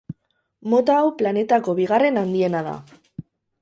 Mota hau planetako bigarren handiena da.